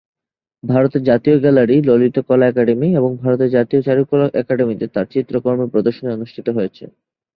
ভারতের জাতীয় gallery, Lalit Kala academy ও ভারতের জাতীয় চারুকলা একাডেমীতে তার চিত্রকর্মের প্রদর্শনী অনুষ্ঠিত হয়েছে।